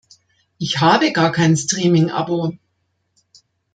Ich habe gar kein Streaming Abo.